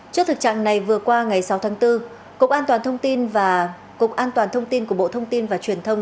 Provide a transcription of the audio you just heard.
trước thực trạng này vừa qua ngày sáu tháng bốn cục an toàn thông tin và cục an toàn thông tin của bộ thông tin và truyền thông